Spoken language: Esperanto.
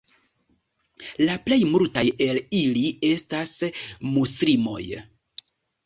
La plej multaj el ili estas muslimoj.